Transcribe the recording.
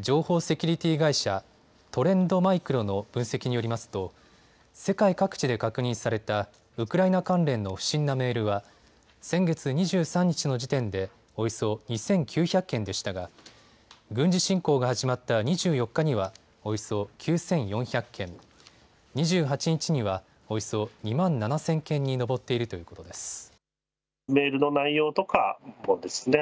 情報セキュリティー会社、トレンドマイクロの分析によりますと世界各地で確認されたウクライナ関連の不審なメールは先月２３日の時点でおよそ２９００件でしたが軍事侵攻が始まった２４日にはおよそ９４００件、２８日にはおよそ２万７０００件に上っているということです。